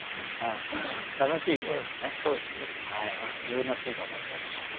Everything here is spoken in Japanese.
いろいろなシーンが思い浮かびます。